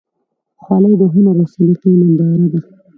خولۍ د هنر او سلیقې ننداره ده.